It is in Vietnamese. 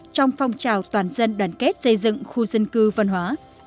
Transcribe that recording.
trong phong trào toàn dân đoàn kết xây dựng khu dân cư văn hóa